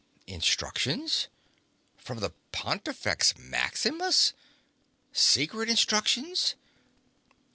Instructions? From the Pontifex Maximus? Secret instructions?